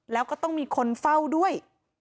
แล้วก็ต้องมีคนเฝ้าด้วย